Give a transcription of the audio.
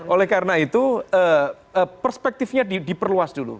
oleh karena itu perspektifnya diperluas dulu